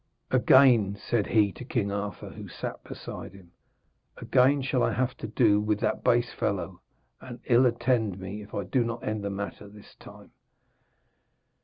'Again,' said he to King Arthur, who sat beside him, 'again shall I have to do with that base fellow, and ill attend me if I do not end the matter this time.'